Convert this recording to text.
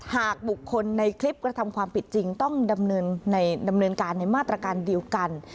หากบุคคลในคลิปกระทำความผิดจริงต้องดำเนินการในมาตรการเดียวกัน